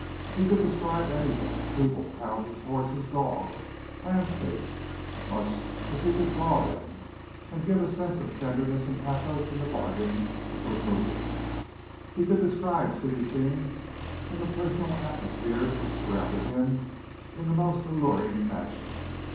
He could describe anything, people, houses, horses, dogs, landscapes, much as he could draw them and give a sense of tenderness and pathos in the bargain which was moving. He could describe city scenes and the personal atmosphere which surrounded him in the most alluring fashion.